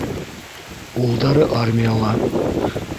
Улдары армияла.